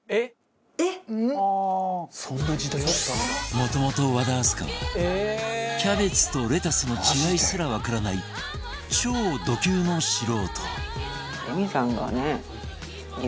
もともと和田明日香はキャベツとレタスの違いすらわからない超ド級の素人